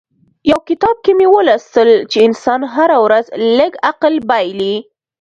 يو کتاب کې مې ولوستل چې انسان هره ورځ لږ عقل بايلي.